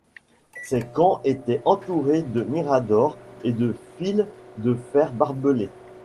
Ces camps étaient entourés de miradors et de fil de fer barbelé.